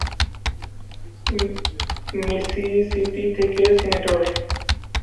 Mississippi থেকে senator.